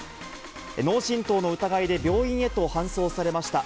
脳震とうの疑いで病院へと搬送されました。